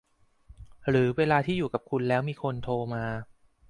หรือเวลาที่อยู่กับคุณแล้วมีคนโทร มา